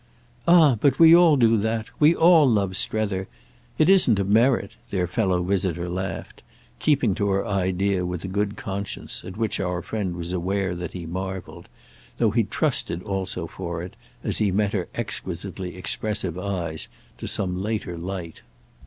"Ah but we all do that—we all love Strether: it isn't a merit!" their fellow visitor laughed, keeping to her idea with a good conscience at which our friend was aware that he marvelled, though he trusted also for it, as he met her exquisitely expressive eyes, to some later light.